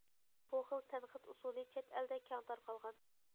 بۇ خىل تەنقىد ئۇسۇلى چەت ئەلدە كەڭ تارقالغان.